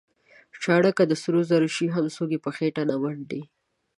چاړه که د سرو شي هم څوک یې په خېټه نه منډي.